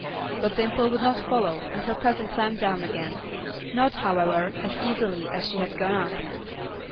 But Dimple would not follow and her cousin climbed down again, not, however, as easily as she had gone up.